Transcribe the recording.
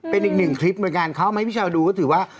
เป็นอีกหนึ่งคลิปเหมือนกันเข้ามาให้พี่ชาวดูก็ถือว่า